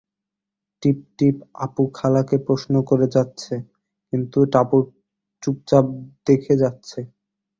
টিপটিপ আপু খালাকে প্রশ্ন করে যাচ্ছে, কিন্তু টাপুর চুপচাপ দেখে যাচ্ছে।